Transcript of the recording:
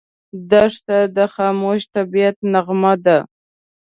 دښته د خاموش طبعیت نغمه ده.